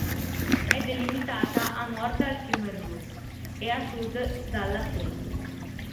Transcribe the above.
È delimitata a Nord dal fiume Ruhr e a Sud dalla Sieg.